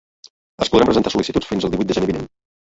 Es podran presentar sol·licituds fins al divuit de gener vinent.